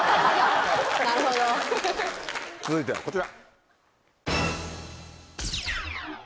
続いてはこちら！